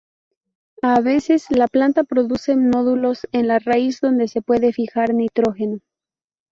A veces, la planta produce nódulos en la raíz donde se puede fijar nitrógeno.